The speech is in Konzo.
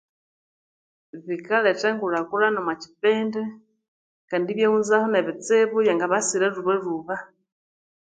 Vikaletha engulhakulhana omwakyipi kandi ebyaghunzahu nebitsibu ebyangabasira lhuba lhuba